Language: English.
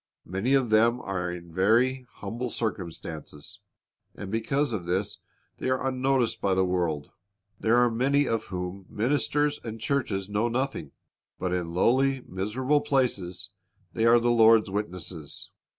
Many of them are in very humble circumstances, and because of this they are unnoticed by the world. There are many of whom ministers and churches know nothing. But in lowly, miserable places they are the Lord's witnesses.